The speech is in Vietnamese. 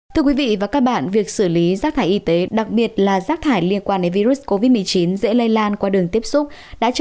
thưa quý vị và các bạn việc xử lý rác thải y tế đặc biệt là rác thải liên quan đến virus covid một mươi chín dễ lây lan qua đường tiếp xúc